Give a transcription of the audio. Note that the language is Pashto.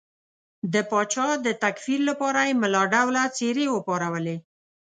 د پاچا د تکفیر لپاره یې ملا ډوله څېرې وپارولې.